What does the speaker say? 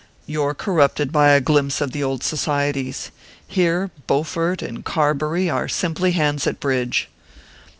"You're corrupted by a glimpse of the old societies. Here Bowfort and Carbury are simply hands at bridge."